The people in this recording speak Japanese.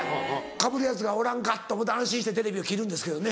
かぶるヤツがおらんかと思って安心してテレビを切るんですけどね。